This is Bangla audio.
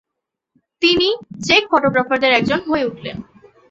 তিনি চেক ফোটোগ্রাফারদের একজন হয়ে উঠলেন ।